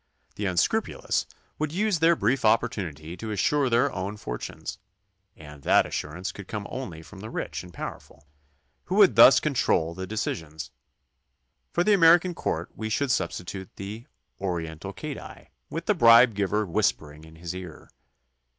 The unscrupulous would use their brief opportunity to assure their own for tunes, and that assurance could come only from the rich and the powerful, who would thus control the de cisions. For the American court we should substitute the oriental cadi, with the bribe giver whispering in his ear.